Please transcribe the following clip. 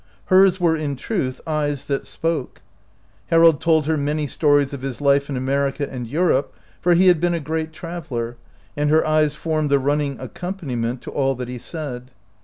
Hers were in truth eyes that spoke. Harold told her many stories of his life in America and Europe, for he had been a great traveler, and her eyes formed the running accompaniment to all that he said.